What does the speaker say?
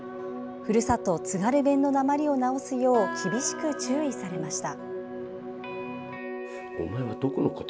ふるさと津軽弁のなまりを直すよう、厳しく注意されました。